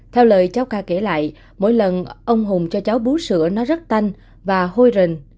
theo lời cháu k kể lại mỗi lần ông hùng cho cháu bú sữa nó rất tanh và hôi rình